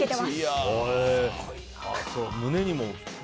胸にも。